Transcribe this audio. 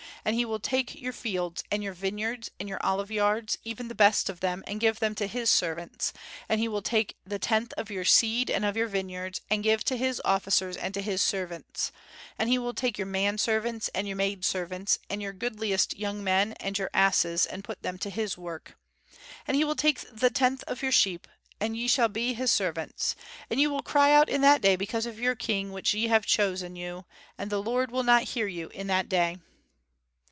And he will take your fields and your vineyards and your olive yards, even the best of them, and give them to his servants; and he will take the tenth of your seed and of your vineyards, and give to his officers and to his servants. And he will take your men servants and your maid servants, and your goodliest young men, and your asses, and put them to his work. And he will take the tenth of your sheep; and ye shall be his servants. And ye will cry out in that day because of your king which ye have chosen you, and the Lord will not hear you in that day."